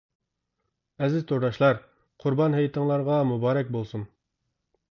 ئەزىز تورداشلار: قۇربان ھېيتىڭلارغا مۇبارەك بولسۇن.